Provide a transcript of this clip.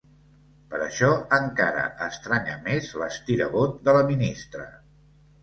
Per això encara estranya més l’estirabot de la ministra.